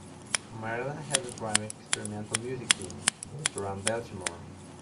Maryland has a thriving experimental music scene, based around Baltimore.